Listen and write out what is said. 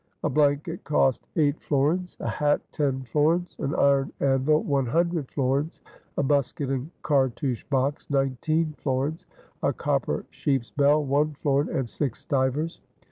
A blanket cost eight florins, a hat ten florins, an iron anvil one hundred florins, a musket and cartouche box nineteen florins, a copper sheep's bell one florin and six stivers.